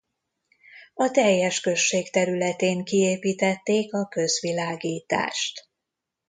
A teljes község területén kiépítették a közvilágítást.